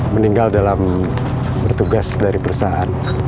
meninggal dalam bertugas dari perusahaan